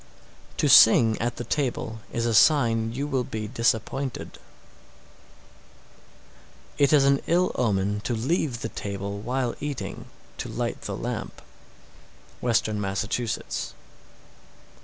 689. To sing at the table is a sign you will be disappointed. 690. It is an ill omen to leave the table while eating, to light the lamp. _Western Massachusetts.